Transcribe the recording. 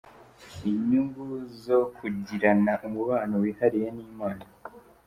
Inyungu zo kugirana umubano wihariye n’Imana:.